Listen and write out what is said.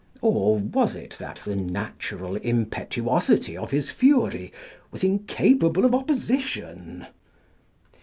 Or was it that the natural impetuosity of his fury was incapable of opposition?